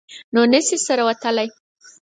نو نه شي سره ورتلای.